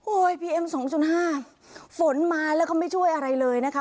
พีเอ็มสองจุดห้าฝนมาแล้วก็ไม่ช่วยอะไรเลยนะคะ